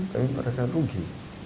tapi mereka rugi